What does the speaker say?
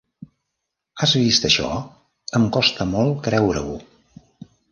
Has vist això? Em costa molt creure-ho!